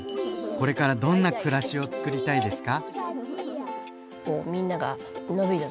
これからどんな暮らしをつくりたいですか？